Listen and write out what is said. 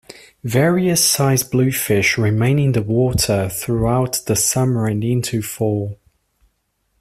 Various size bluefish remain in the water throughout the summer and into fall.